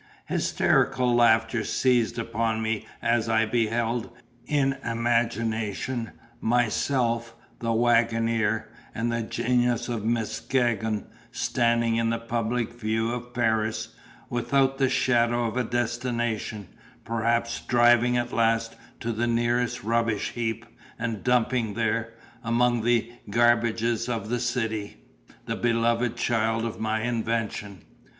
Hysterical laughter seized upon me as I beheld (in imagination) myself, the waggoner, and the Genius of Muskegon, standing in the public view of Paris, without the shadow of a destination; perhaps driving at last to the nearest rubbish heap, and dumping there, among the ordures of a city, the beloved child of my invention.